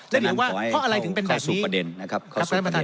และหรือว่าเพราะอะไรถึงเป็นแบบนี้